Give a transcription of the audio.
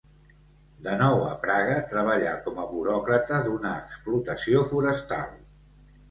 De nou a Praga treballà com a buròcrata d'una explotació forestal.